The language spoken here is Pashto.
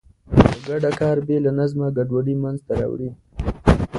په ګډه کار بې له نظمه ګډوډي منځته راوړي.